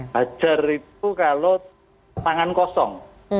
hajar itu kalau tangan kosong